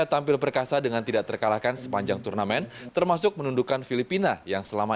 tampil perkasa dengan tidak terkalahkan sepanjang turnamen termasuk menundukan filipina yang selama